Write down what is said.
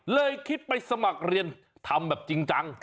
คิดไปสมัครเรียนทำแบบจริงจัง